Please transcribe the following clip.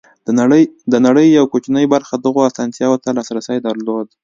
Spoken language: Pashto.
د نړۍ یوې کوچنۍ برخې دغو اسانتیاوو ته لاسرسی درلود.